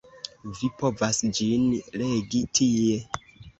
Vi povas ĝin legi tie.